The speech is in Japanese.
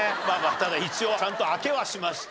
ただ一応ちゃんと開けはしました。